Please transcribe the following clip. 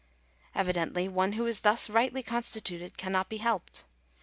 Evidently, one who is thus rightly con stituted cannot be helped.